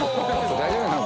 大丈夫なの？